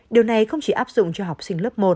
điều này không chỉ áp dụng cho học sinh lớp một